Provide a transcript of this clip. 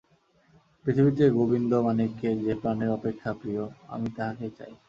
পৃথিবীতে গোবিন্দমাণিক্যের যে প্রাণের অপেক্ষা প্রিয়, আমি তাহাকেই চাই।